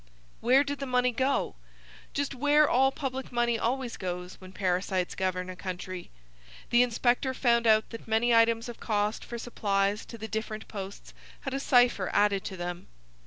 Where did the money go? Just where all public money always goes when parasites govern a country. The inspector found out that many items of cost for supplies to the different posts had a cipher added to them.